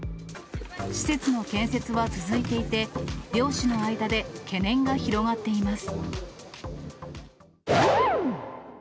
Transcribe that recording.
施設の建設は続いていて、漁師の間で、懸念が広がっています。